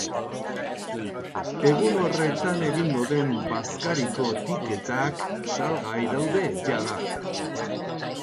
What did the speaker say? Egun horretan egingo den bazkariko tiketak salgai daude jada.